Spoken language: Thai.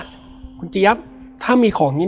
แล้วสักครั้งหนึ่งเขารู้สึกอึดอัดที่หน้าอก